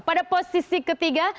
pada posisi ketiga